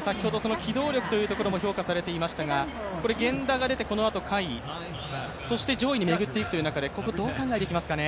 先ほど機動力というところも評価されていましたが源田が出て、このあと甲斐、そして上位に巡っていくということでここどう考えていきますかね？